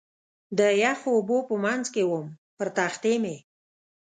د یخو اوبو په منځ کې ووم، پر تختې مې.